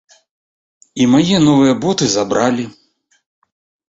І мае новыя боты забралі.